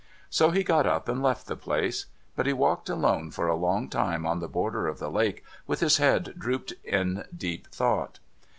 So he got up and left the place. But he walked alone for a long time on the border of the lake, with his head drooped in deep thought.